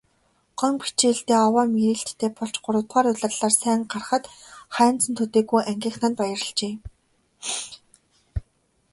Гомбо хичээлдээ овоо мэрийлттэй болж гуравдугаар улирлаар сайн гарахад Хайнзан төдийгүй ангийнхан нь баярлажээ.